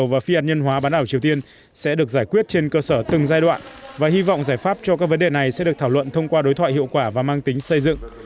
ông kim hy vọng quan hệ mỹ triều và phi hạt nhân hóa bán ảo triều tiên sẽ được giải quyết trên cơ sở từng giai đoạn và hy vọng giải pháp cho các vấn đề này sẽ được thảo luận thông qua đối thoại hiệu quả và mang tính xây dựng